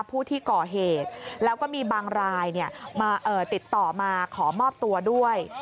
ผู้ที่ก่อเหตุแล้วก็มีบางรายมาติดต่อมาขอมอบตัวด้วย